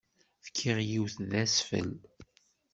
Fkiɣ yiwet d asfel.